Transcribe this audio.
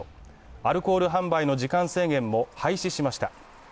アルコール販売の時間制限も廃止しました。